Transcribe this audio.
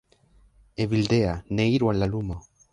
Evildea, ne iru al la lumo!